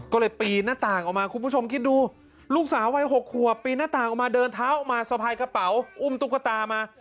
ก็เลยปีนหน้าต่างออกมาคุณผู้ชมคิดดูลูกสาววัย๖ขวบปีนหน้าต่างออกมาเดินเท้าออกมาสะพายกระเป๋าอุ้มตุ๊กตามา